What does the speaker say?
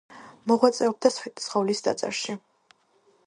მოღვაწეობდა სვეტიცხოვლის ტაძარში.